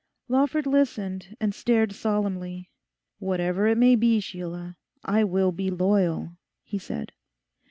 Lawford listened and stared solemnly. 'Whatever it may be, Sheila, I will be loyal,' he said.